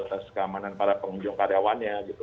atas keamanan para pengunjung karyawannya gitu